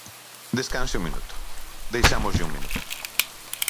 Descanse un minuto, deixámoslle un minuto.